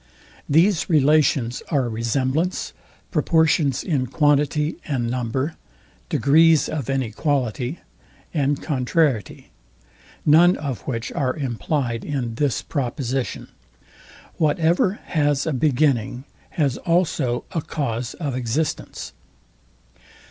These relations are RESEMBLANCE, PROPORTIONS IN QUANTITY AND NUMBER, DEGREES OF ANY QUALITY, and CONTRARIETY; none of which are implyed in this proposition, Whatever has a beginning has also a cause of existence.